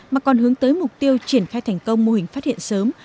mà còn hướng tới mục tiêu triển khai thành công mô hình phát hiện sớm